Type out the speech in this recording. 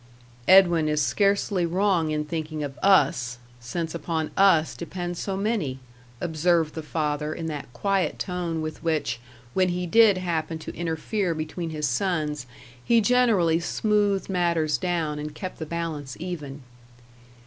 "Edwin is scarcely wrong in thinking of 'us,' since upon us depend so many," observed the father, in that quiet tone with which, when he did happen to interfere between his sons, he generally smoothed matters down and kept the balance even.